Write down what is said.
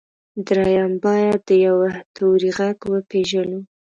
درېيم بايد د يوه توري غږ وپېژنو.